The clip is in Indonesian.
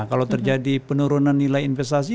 kalau terjadi penurunan nilai investasi